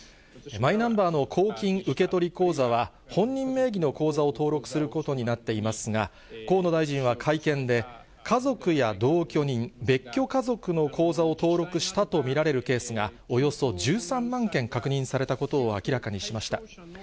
マイナンバーの公金受取口座は、本人名義の口座を登録することになっていますが、河野大臣は会見で、家族や同居人、別居家族の口座を登録したと見られるケースが、およそ１３万件確認されたことを明らかにしました。